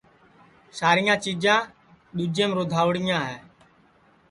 ساریاں چیجاں دؔوجیم رودھاوڑیاں ہے